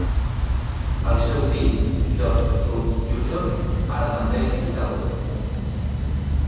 El seu fill, George South Junior, ara també és lluitador.